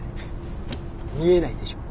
見えないでしょ？